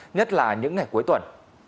nhất là những ngày cuối tuần